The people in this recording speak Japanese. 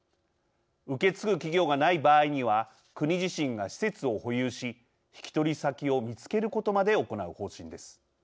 受け継ぐ企業がない場合には国自身が施設を保有し引き取り先を見つけることまで行う方針です。